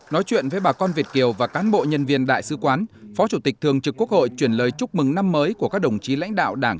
nói chuyện với bà con việt kiều và cán bộ nhân viên đại sứ quán phó chủ tịch thường trực quốc hội chuyển lời chúc mừng năm mới của các đồng chí lãnh đạo đảng